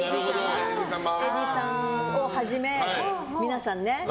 ＡＤさんをはじめ、皆さんね。